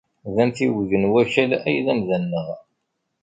D amtiweg n Wakal ay d amda-nneɣ.